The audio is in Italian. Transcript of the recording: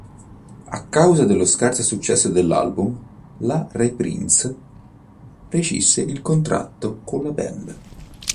A causa dello scarso successo dell'album, la Reprise rescisse il contratto con la band.